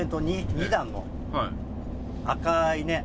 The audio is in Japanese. ２段の赤いね。